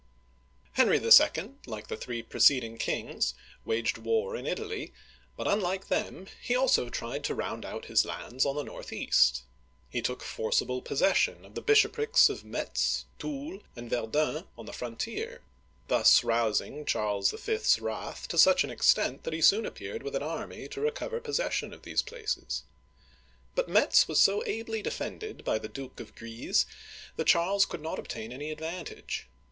Henry II., like the three preceding kings, waged war in Italy, but unlike them, he also tried to round out his lands on the northeast. He took forcible possession of the bishoprics of Metz, Toul (tool), and Verdun (vSr duN') on the frontier, thus rousing Charles V.'s wrath to such an Digitized by Google HENRY II. (1547 1559) 247 extent that he soon appeared with an army to recover pos session of these places. But Metz was so ably defended by the Duke of Guise that Charles could not obtain any ad vantage.